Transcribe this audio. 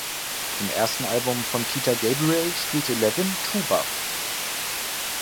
Auf dem ersten Album von Peter Gabriel spielte Levin Tuba.